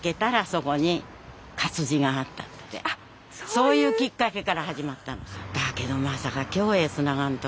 そういうきっかけから始まったの。